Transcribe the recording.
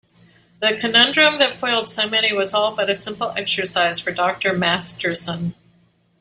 The conundrum that foiled so many was all but a simple exercise for Dr. Masterson.